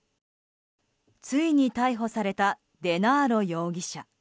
ついに逮捕されたデナーロ容疑者。